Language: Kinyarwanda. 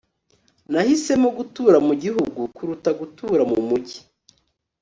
nahisemo gutura mu gihugu kuruta gutura mu mujyi